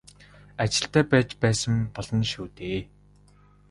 Ажилтай байж байсан болно шүү дээ.